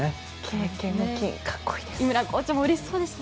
経験の金格好いいです。